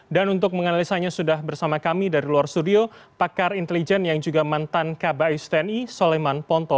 dan untuk menganalisanya sudah bersama kami dari luar studio pakar intelijen yang juga mantan kbh tni soleman ponto